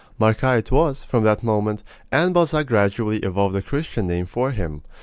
Marcas it was, from that moment; and Balzac gradually evolved a Christian name for him.